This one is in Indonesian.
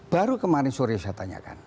baru kemarin sore saya tanyakan